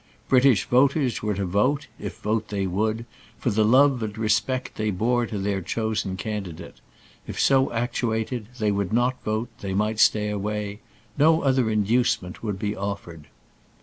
British voters were to vote, if vote they would, for the love and respect they bore to their chosen candidate. If so actuated, they would not vote, they might stay away; no other inducement would be offered.